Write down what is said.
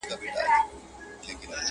په سپکو سپکتيا، په درنو درنتيا.